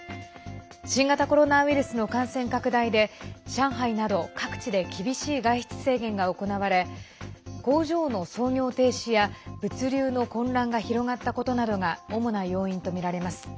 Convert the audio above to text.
新型コロナウイルスの感染拡大で上海など各地で厳しい外出制限が行われ工場の操業停止や物流の混乱が広がったことなどが主な要因とみられます。